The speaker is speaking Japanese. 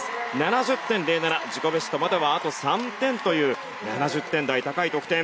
自己ベストまではあと３点という７０点台高い得点。